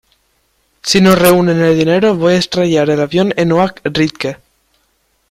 Si no reúnen el dinero voy a estrellar el avión en Oak Ridge.